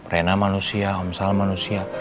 rena manusia om sal manusia